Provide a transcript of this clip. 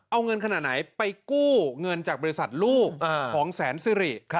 เอาเงินขนาดไหนไปกู้เงินจากบริษัทลูกของแสนสิริ